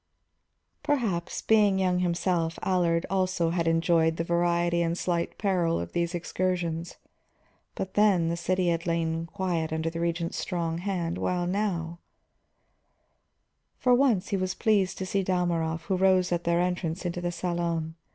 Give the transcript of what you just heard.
Perhaps, being young himself, Allard also had enjoyed the variety and slight peril of these excursions. But then the city had lain quiet under the Regent's strong hand, while now For once he was pleased to see Dalmorov, who rose at their entrance into the salon.